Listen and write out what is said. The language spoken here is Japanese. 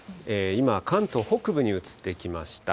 今、関東北部に移ってきました。